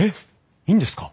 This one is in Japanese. いいんですか？